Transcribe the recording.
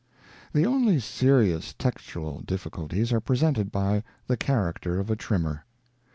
The only serious textual difficulties are presented by The Character of a Trimmer.